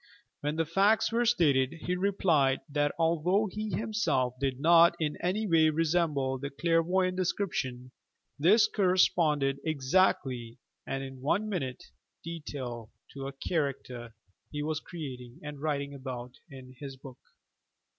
When the facts were stated, he replied, that although he himself did not in any way resemble the clairvoyant description, this corresponded exactly and in minute detail to a character he was creating and writing about in his book!